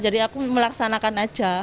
jadi aku melaksanakan aja